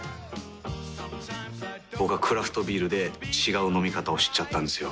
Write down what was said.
僕はクラフトビールで違う飲み方を知っちゃったんですよ。